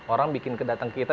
orang bikin kedatang kita